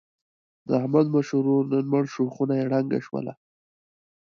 د احمد مشر ورور نن مړ شو. خونه یې ړنګه شوله.